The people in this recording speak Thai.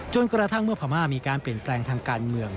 กระทั่งเมื่อพม่ามีการเปลี่ยนแปลงทางการเมือง